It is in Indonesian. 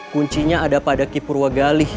kuncinya ada pada kipur wagali